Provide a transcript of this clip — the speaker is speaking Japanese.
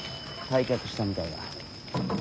退却したみたいだ。